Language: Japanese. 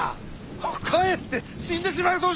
かえって死んでしまいそうじゃろうが！